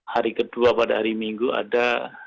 hari kedua pada hari minggu ada